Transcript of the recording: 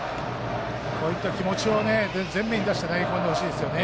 こういった気持ちを全面に出して投げ込んでほしいですよね。